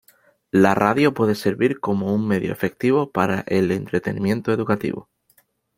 La radio puede servir como un medio efectivo para el entretenimiento educativo.